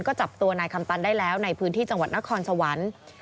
ก็จับตัวนายคำตันได้แล้วในพื้นที่จังหวัดนครสวรรค์